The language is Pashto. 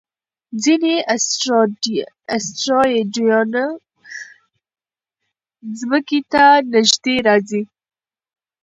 ځینې اسټروېډونه ځمکې ته نږدې راځي.